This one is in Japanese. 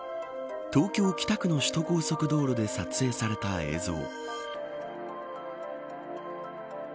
東京、北区の首都高速道路で撮影された映像。